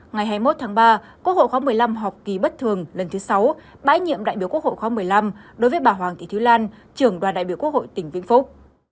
ngày hai mươi một tháng ba quốc hội khóa một mươi năm họp kỳ bất thường lần thứ sáu bãi nhiệm đại biểu quốc hội khóa một mươi năm đối với bà hoàng thị thúy lan trưởng đoàn đại biểu quốc hội tỉnh vĩnh phúc